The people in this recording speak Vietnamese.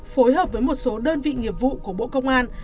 phối hợp với một số đơn vị nghiệp vụ của bộ công an